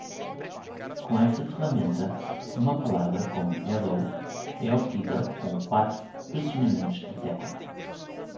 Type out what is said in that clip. Com essa ferramenta, uma palavra como hello é obtida com quatro pressionamentos de tecla.